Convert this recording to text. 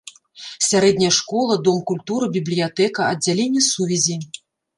Сярэдняя школа, дом культуры, бібліятэка, аддзяленне сувязі.